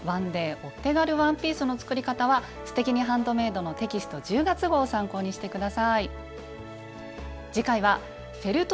１ｄａｙお手軽ワンピース」の作り方は「すてきにハンドメイド」のテキスト１０月号を参考にして下さい。